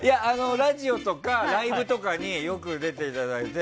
ラジオとか、ライブとかによく出ていただいて。